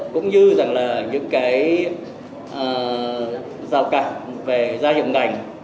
cũng như rằng là những cái rào cản về gia hiệu ngành